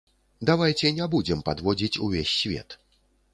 Давайце не будзем падводзіць увесь свет.